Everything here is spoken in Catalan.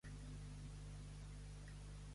Passejar-se-li l'ànima pel cos.